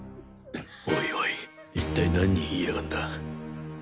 おいおい一体何人いやがんだ